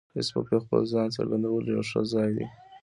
فېسبوک د خپل ځان څرګندولو یو ښه ځای دی